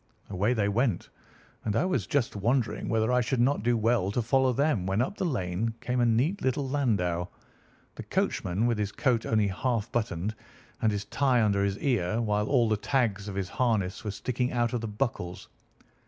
"Away they went, and I was just wondering whether I should not do well to follow them when up the lane came a neat little landau, the coachman with his coat only half buttoned, and his tie under his ear, while all the tags of his harness were sticking out of the buckles.